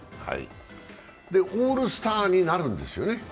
オールスターになるんですよね。